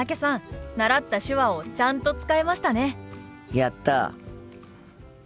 やった！